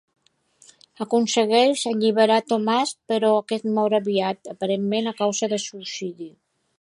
Aconsegueix alliberar a Thomas, però aquest mor aviat, aparentment a causa de suïcidi.